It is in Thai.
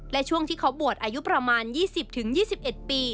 และช่วงที่เขาบวชอายุประมาณ๒๐๒๑ปี